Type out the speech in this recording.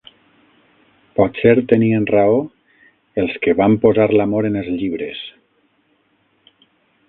Potser tenien raó els que van posar l'amor en els llibres.